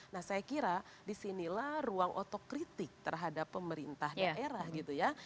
nah saya kira disinilah ruang otokritik terhadap pemerintah daerah gitu ya